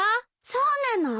そうなの？